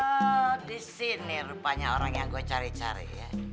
oh di sini rupanya orang yang gue cari cari ya